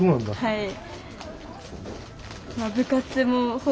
はい。